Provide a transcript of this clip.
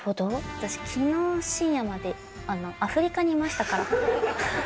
私、きのう深夜までアフリカにいましたから。